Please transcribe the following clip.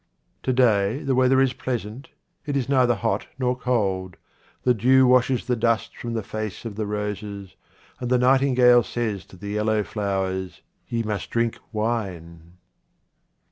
To day the weather is pleasant, it is neither hot nor cold. The dew washes the dust from the face of the roses, and the nightingale says to the yellow flowers, "Ye must drink wine."